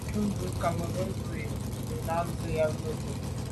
Cúp bú Cameroun mbə̄ bú yə́ jú zə̄ à' rə̂ ká mə́ cúp.